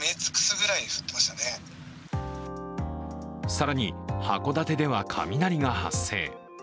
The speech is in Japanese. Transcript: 更に、函館では雷が発生。